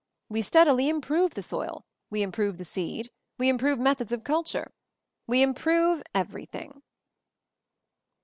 We steadily improve the soil; we improve the seed; we improve methods of culture; we improve everything."